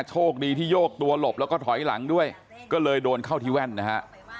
โชคดีที่โยกตัวหลบแล้วก็ถอยหลังด้วยก็เลยโดนเข้าที่แว่นนะฮะ